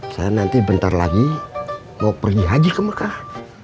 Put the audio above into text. saya nanti bentar lagi mau pergi haji ke mekah